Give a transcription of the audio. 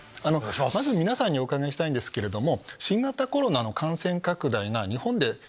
まず皆さんにお伺いしたいんですけれども。